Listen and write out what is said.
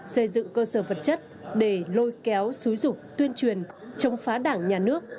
xây dựng cơ sở vật chất để lôi kéo xúi dục tuyên truyền chống phá đảng nhà nước